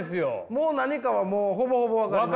もう何かはほぼほぼ分かります。